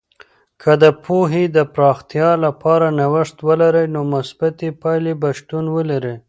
که د پوهې د پراختیا لپاره نوښت ولرئ، نو مثبتې پایلې به شتون ولري.